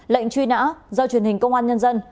lệnh truy nã do truyền hình công an nhân dân